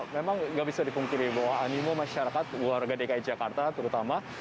memang nggak bisa dipungkiri bahwa animo masyarakat warga dki jakarta terutama